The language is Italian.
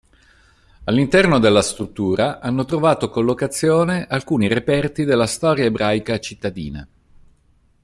All'interno della struttura hanno trovato collocazione alcuni reperti della storia ebraica cittadina.